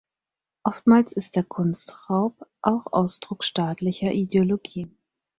Oftmals ist der Kunstraub auch Ausdruck staatlicher Ideologie.